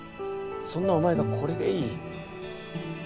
そんなお前がこれでいい？